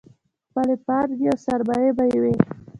خپلې پانګې او سرمایې به یې وې.